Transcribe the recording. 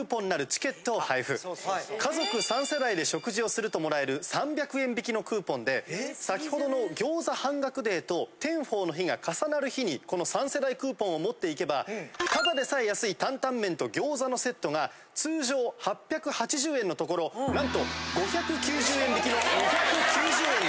家族三世代で食事をすると貰える３００円引きのクーポンで先程の餃子半額デーとテンホウの日が重なる日にこの三世代クーポンを持って行けばただでさえ安いタンタンメンと餃子のセットが通常８８０円のところ何と５９０円引きの２９０円に。